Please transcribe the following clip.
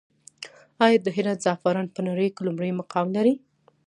آیا د هرات زعفران په نړۍ کې لومړی مقام لري؟